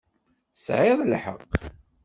Tesɛiḍ lḥeqq.